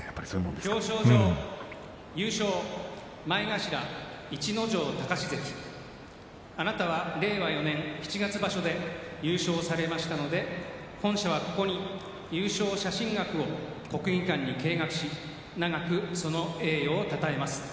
表彰状、優勝逸ノ城駿関あなたは令和４年七月場所で優勝されましたので本社は、ここに優勝写真額を国技館に掲額し永くその栄誉をたたえます。